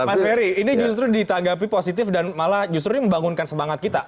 mas ferry ini justru ditanggapi positif dan malah justru ini membangunkan semangat kita